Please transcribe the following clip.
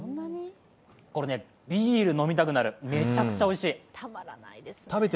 これ、ビール飲みたくなる、めちゃくちゃおいしい！